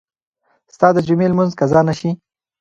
ستا د جمعې لمونځ قضا نه شي.